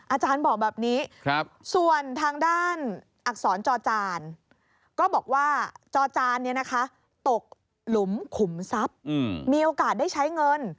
อาจารย์บอกแบบนี้ส่วนทางด้านอักษรจอจานก็บอกว่าจอจานตกหลุมขุมทรัพย์มีโอกาสได้ใช้เงิน